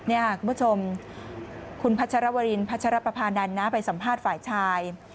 นี่ค่ะคุณผู้ชมคุณพัชรวรินพัชรปภานันทร์นะไปสัมภาษณ์ฝ่ายชาย